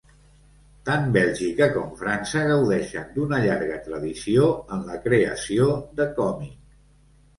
Tant Bèlgica com França gaudeixen d'una llarga tradició en la creació de còmic.